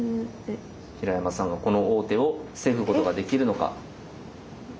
平山さんがこの王手を防ぐことができるのか？